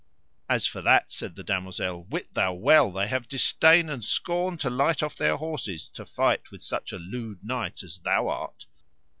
As for that, said the damosel, wit thou well they have disdain and scorn to light off their horses to fight with such a lewd knight as thou art.